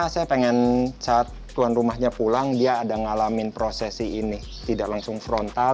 karena saya pengen saat tuan rumahnya pulang dia ada ngalamin prosesi ini tidak langsung frontal